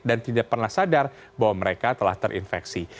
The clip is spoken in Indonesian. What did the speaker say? dan tidak pernah sadar bahwa mereka telah terinfeksi